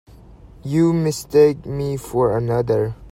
You mistake me for another.